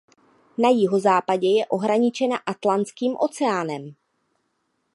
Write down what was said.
Na jihozápadě je ohraničena Atlantským oceánem.